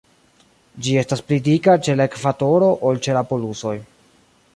Ĝi estas pli dika ĉe la ekvatoro ol ĉe la polusoj.